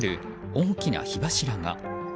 大きな火柱が。